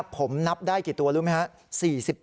ผมนับได้กี่ตัวรู้ไหมครับ